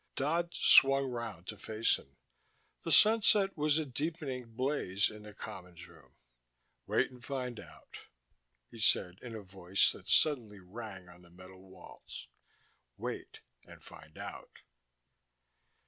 Dodd swung round to face him. The sunset was a deepening blaze in the Commons Room. "Wait and find out," he said in a voice that suddenly rang on the metal walls. "Wait and find out."